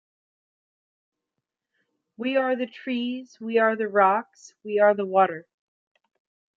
We are the trees, we are the rocks, we are the water.